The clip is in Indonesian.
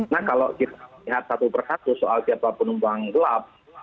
nah kalau kita lihat satu persatu soal siapa penumpang gelap